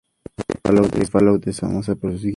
La serie "Fallout" es famosa por sus guiños.